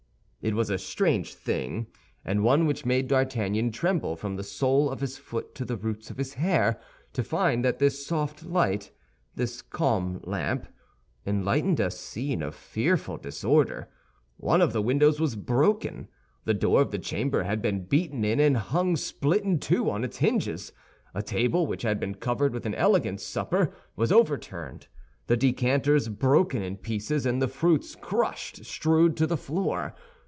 It was a strange thing, and one which made D'Artagnan tremble from the sole of his foot to the roots of his hair, to find that this soft light, this calm lamp, enlightened a scene of fearful disorder. One of the windows was broken, the door of the chamber had been beaten in and hung, split in two, on its hinges. A table, which had been covered with an elegant supper, was overturned. The decanters broken in pieces, and the fruits crushed, strewed the floor.